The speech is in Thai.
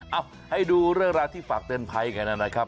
เอาให้ดูเรื่องราวที่ฝากเตือนภัยกันนะครับ